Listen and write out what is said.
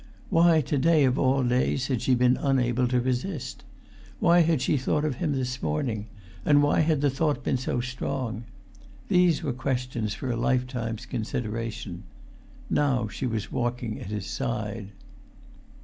Why, to day of all days, had she been unable to resist? Why had she thought of him this morning, and why had the thought been so strong? These were questions for a lifetime's consideration. Now she was walking at his side.